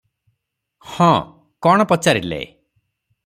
ହଁ-କଣ ପଚାରିଲେ?